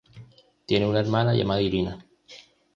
Tiene una hermana llamada Irina.